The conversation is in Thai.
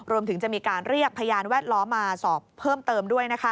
รวมถึงจะมีการเรียกพยานแวดล้อมมาสอบเพิ่มเติมด้วย